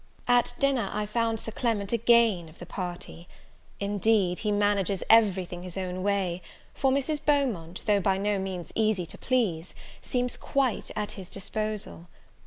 At dinner, I found Sir Clement again of the party. Indeed, he manages every thing his own way; for Mrs. Beaumont, though by no means easy to please, seems quite at his disposal.